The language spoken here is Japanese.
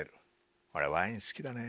俺ワイン好きだねぇ。